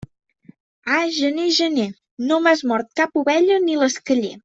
Ah, gener, gener, no m'has mort cap ovella ni l'esqueller.